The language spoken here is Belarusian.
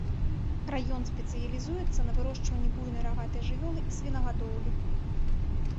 Раён спецыялізуецца на вырошчванні буйнай рагатай жывёлы і свінагадоўлі.